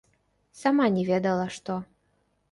Сама не ведала што.